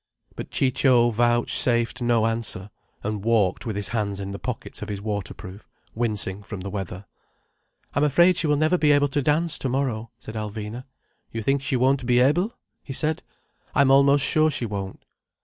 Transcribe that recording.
But Ciccio vouchsafed no answer, and walked with his hands in the pockets of his water proof, wincing from the weather. "I'm afraid she will never be able to dance tomorrow," said Alvina. "You think she won't be able?" he said. "I'm almost sure she won't."